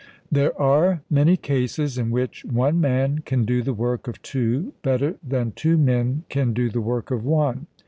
There are many cases in which one man can do the work of two better than two men can do the work of one.